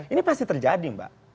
ini pasti terjadi mbak